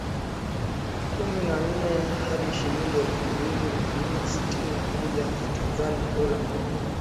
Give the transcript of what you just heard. kumi na nne hadi shilingi elfu mbili mia nne sitini na moja za Tanzania dola moja